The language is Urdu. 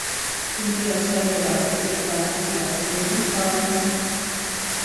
چونکہ عرصۂ دراز سے اقتدار کی سیاست میں بھی فعال ہیں۔